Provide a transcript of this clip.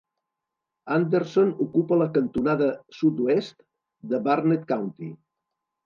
Anderson ocupa la cantonada sud-oest de Burnett County.